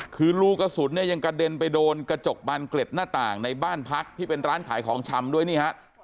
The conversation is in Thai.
คือรูกระสุนเนี่ยยังกระเด็นไปโดนกระจกบานเกล็ดหน้าต่างในบ้านพักที่เป็นร้านขายของชำด้วยนี่ฮะ